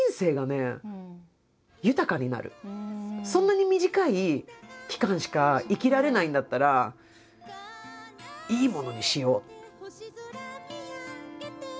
そんなに短い期間しか生きられないんだったらいいものにしよう。